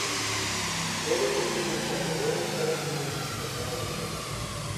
Цэліўся, цэліўся, навёў на сярэдзіну, падняў вышэй.